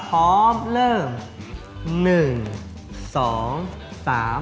พร้อมเริ่ม